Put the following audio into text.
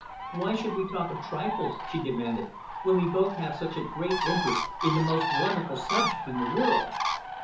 "Why should we talk of trifles," she demanded, "when we both have such a great interest in the most wonderful subject in the world?"